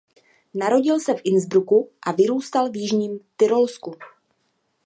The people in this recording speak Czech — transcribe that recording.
Narodil se v Innsbrucku a vyrůstal v jižním Tyrolsku.